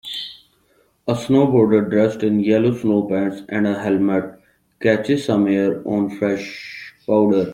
A snowboarder dressed in yellow snow pants and a helmet catches some air on fresh powder.